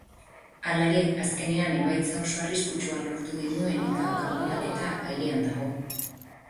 Hala ere, azkenean emaitza oso arriskutsua lortu genuen eta kanporaketa airean dago.